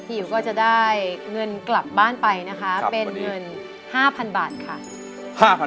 อิ๋วก็จะได้เงินกลับบ้านไปนะคะเป็นเงิน๕๐๐๐บาทค่ะ